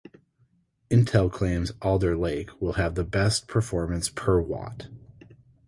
Intel claims Alder Lake will have their best performance per watt.